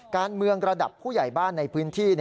การเมืองระดับผู้ใหญ่บ้านในพื้นที่